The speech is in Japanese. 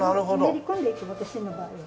練り込んでいく私の場合は。